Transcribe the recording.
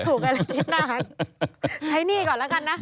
ใช้หนี้ก่อนแล้วกันนะ